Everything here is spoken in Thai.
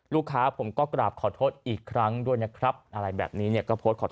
ผมก็กราบขอโทษอีกครั้งด้วยนะครับอะไรแบบนี้เนี่ยก็โพสต์ขอโทษ